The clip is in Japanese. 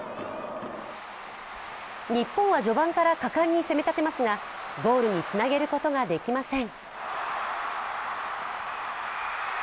日本は序盤から果敢に攻め立てますが、ゴールにつなげることができません。